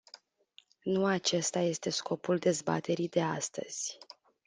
Nu acesta este scopul dezbaterii de astăzi.